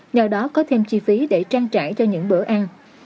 nhờ đó có thêm chi phí để trang trải cho những bữa ăn